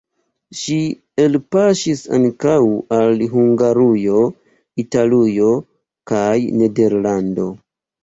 Ŝi elpaŝis ankaŭ al Hungarujo, Italujo kaj Nederlando.